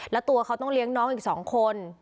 แล้วตัวเขาต้องเลี้ยงน้องอีก๒คน